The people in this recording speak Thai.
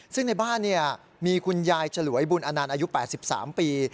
ซึ่งในบ้านมีคุณยายฉลวยบุญอนันต์อายุ๘๓ปี